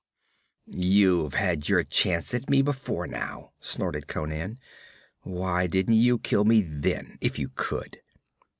'You've had your chance at me before now,' snorted Conan. 'Why didn't you kill me then, if you could?'